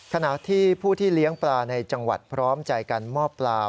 ขณะที่ผู้ที่เลี้ยงปลาในจังหวัดพร้อมใจกันมอบปลา